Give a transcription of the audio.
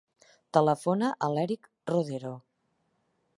Telefona a l'Erik Rodero.